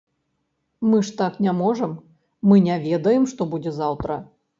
Мы ж так не можам, мы не ведаем, што будзе заўтра.